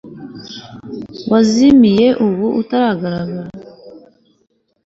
wazimiye ubu utagaragara